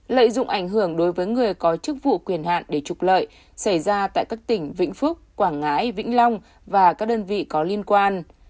lợi dụng ảnh hưởng đối với người có chức vụ quyền hạn để trục lợi xảy ra tại các tỉnh vĩnh phúc quảng ngãi vĩnh long và các đơn vị có liên quan